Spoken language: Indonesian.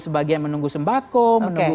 sebagian menunggu sembako menunggu